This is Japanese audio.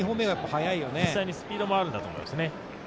実際にスピードもあるんだと思います。